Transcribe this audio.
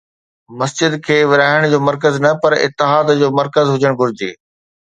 مسجد کي ورهائڻ جو مرڪز نه پر اتحاد جو مرڪز هجڻ گهرجي.